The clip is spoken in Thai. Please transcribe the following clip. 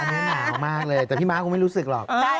อันนี้หนาวมากเลยแต่พี่ม้าคงไม่รู้สึกหรอก